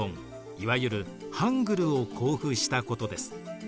いわゆるハングルを公布したことです。